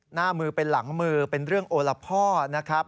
หน้ามือเป็นหลังมือเป็นเรื่องโอละพ่อนะครับ